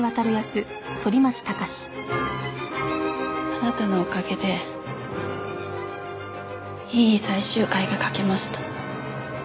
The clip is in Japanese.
あなたのおかげでいい最終回が描けました。